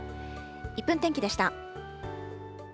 １分天気でした。